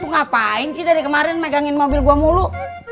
tuh apaan sih dari kemarin mek angin mobil gue mulu